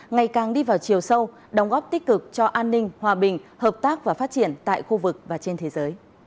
ngày càng đi vào chiều sâu đóng góp tích cực cho an ninh hòa bình hợp tác và phát triển tại khu vực và trên thế giới